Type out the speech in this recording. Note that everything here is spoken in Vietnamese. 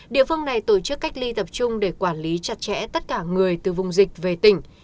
địa phương này tổ chức cách ly tập trung để quản lý chặt chẽ tất cả người từ vùng dịch về tỉnh